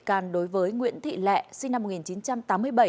can đối với nguyễn thị lệ sinh năm